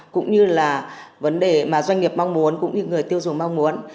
cũng như là vấn đề mà doanh nghiệp mong muốn cũng như người tiêu dùng mong muốn